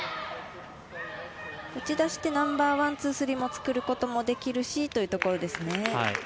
打ち出してナンバーワンツー、スリーを作ることもできるしというところですね。